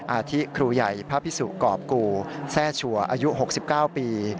อาทิครูใหญ่พระพิสุกรอบกูแทร่ชัวร์อายุ๖๙ปี